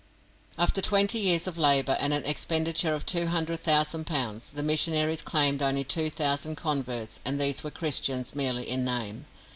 After twenty years of labour, and an expenditure of two hundred thousand pounds, the missionaries claimed only two thousand converts, and these were Christians merely in name.